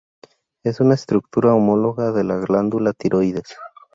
Es una estructura homóloga de la glándula tiroides.